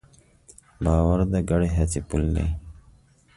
باور د ګډې هڅې پُل دی.